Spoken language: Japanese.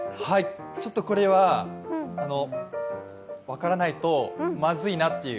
ちょっとこれは分からないとまずいなっていう。